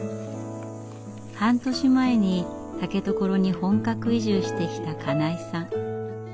半年前に竹所に本格移住してきた金井さん。